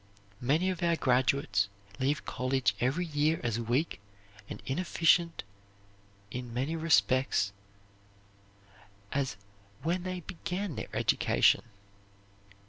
Many of our graduates leave college every year as weak and inefficient in many respects as when they began their education.